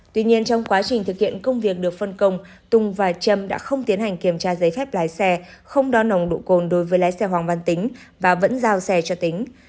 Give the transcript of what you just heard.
tuy nhiên trong quá trình thực hiện công việc được phân công tùng và trâm đã không tiến hành kiểm tra giấy phép lái xe không đo nồng độ cồn đối với lái xe hoàng văn tính và vẫn giao xe cho tính